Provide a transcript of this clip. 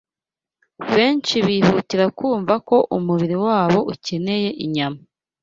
Benshi bihutira kumva ko umubiri wabo ukeneye inyama;